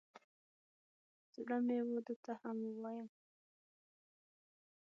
زړه مې و ده ته هم ووایم.